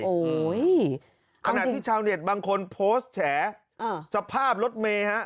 โอ้ยขนาดที่ชาวเด็ดบางคนโพสต์แฉะเออสภาพรถเมฮะ